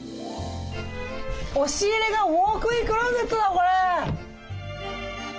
押し入れがウォークインクローゼットだこれ！